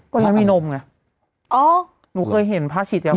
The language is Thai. ก็ยังมีนมไงหนูเคยเห็นพระฉีดยาคุม